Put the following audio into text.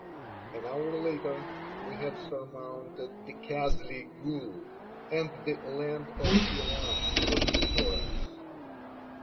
An hour later we had surmounted the Kazlee Gool, and the "land of Iran" was before us.